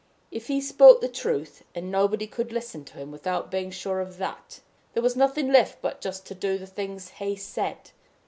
If he spoke the truth, and nobody could listen to him without being sure of that, there was nothing left but just to do the thing he said.